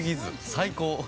最高！